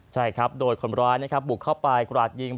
ใช่ครับโดดคนร้ายบุกเข้าไปกราดยิง